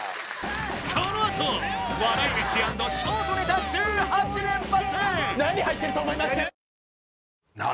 このあと笑い飯＆ショートネタ１８連発！